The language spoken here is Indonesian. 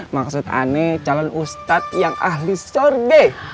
maksud anda calon ustaz yang ahli syurga